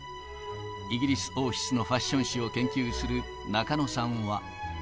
イギリス王室のファッション史を研究する中野さんは。